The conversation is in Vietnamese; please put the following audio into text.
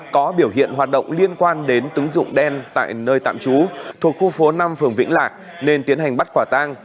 có biểu hiện hoạt động liên quan đến tứng dụng đen tại nơi tạm trú thuộc khu phố năm phường vĩnh lạc nên tiến hành bắt quả tang